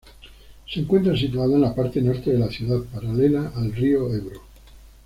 Se encuentra situada en la parte norte de la ciudad, paralela al río Ebro.